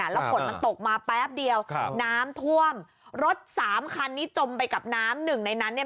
แล้วฝนมันตกมาแป๊บเดียวน้ำท่วมรถสามคันนี้จมไปกับน้ำหนึ่งในนั้นเนี่ย